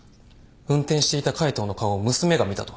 運転していた海藤の顔を娘が見たと。